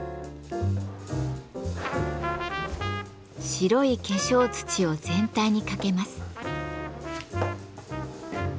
白い化粧土を全体にかけます。